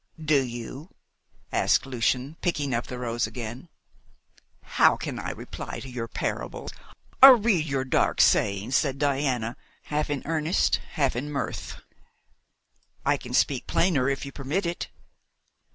"Do you?" asked Lucian, picking up the rose again. "How can I reply to your parables, or read your dark sayings?" said Diana, half in earnest, half in mirth. "I can speak plainer if you permit it."